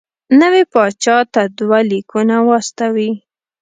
نوي پاچا ته دوه لیکونه واستوي.